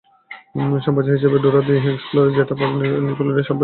সম্প্রচার হিসাবে Dora the Explorer যেটা প্রাক-নিকিলোডিয়ানে সম্প্রচার করা হতো।